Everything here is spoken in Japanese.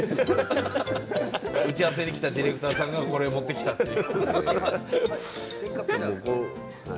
打ち合わせに来たディレクターさんがこれを持ってきたという。